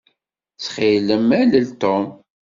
Ttxil-m, alel Tom.